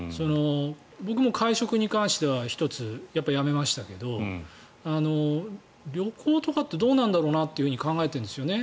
僕も会食に関しては１つやめましたけど旅行とかってどうなんだろうなと考えているんですよね。